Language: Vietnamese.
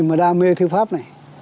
mà đam mê thư pháp này